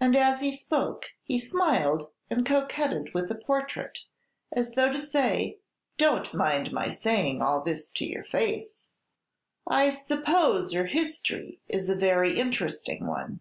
And as he spoke he smiled and coquetted with the portrait, as though to say, "Don't mind my saying all this to your face." "I suppose her history is a very interesting one."